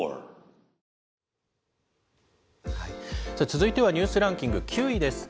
続いてはニュースランキング９位です。